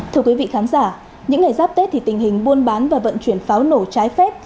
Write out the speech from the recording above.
thưa quý vị khán giả những ngày giáp tết thì tình hình buôn bán và vận chuyển pháo nổ trái phép